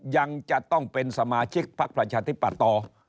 ยังจะต้องเป็นสมาชิกพักประชาธิปัตย์ต่อ